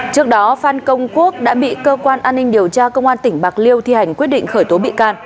trước đó phan công quốc đã bị cơ quan an ninh điều tra công an tỉnh bạc liêu thi hành quyết định khởi tố bị can